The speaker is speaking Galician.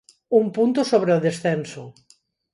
Un punto sobre o descenso.